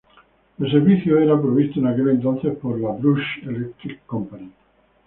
El servicio era provisto en aquel entonces por la Brush Electric Company.